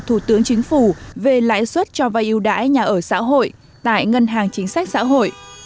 thủ tướng chính phủ về lãi suất cho vay yêu đãi nhà ở xã hội tại ngân hàng chính sách xã hội